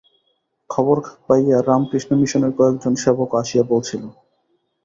খবর পাইয়া রামকৃষ্ণ মিশনের কয়েকজন সেবকও আসিয়া পৌঁছিল।